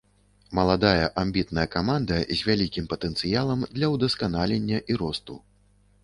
Маладая, амбітная каманда з вялікім патэнцыялам для ўдасканалення і росту.